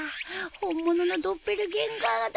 本物のドッペルゲンガーだ